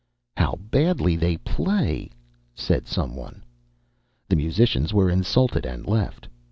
"How badly they play!" said some one. The musicians were insulted and left.